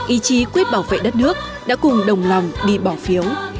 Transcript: ý chí quyết bảo vệ đất nước đã cùng đồng lòng đi bỏ phiếu